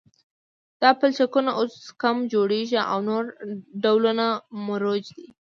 دا پلچکونه اوس کم جوړیږي او نور ډولونه مروج دي